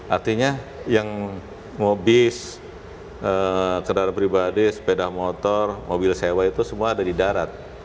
artinya yang mobil kendaraan pribadi sepeda motor mobil sewa itu semua ada di darat